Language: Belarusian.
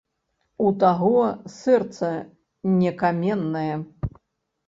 У таго сэрца не каменнае.